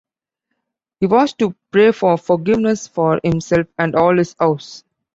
He was to pray for forgiveness for himself and all his house.